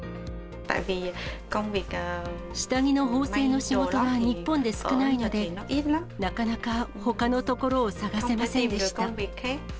下着の縫製の仕事が日本で少ないので、なかなかほかのところを探せませんでした。